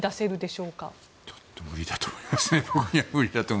ちょっと無理だと思います。